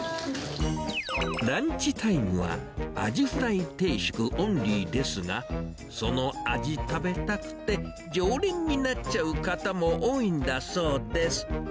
ランチタイムは、アジフライ定食オンリーですが、そのアジ食べたくて、常連になっちゃう方も多いんだそうです。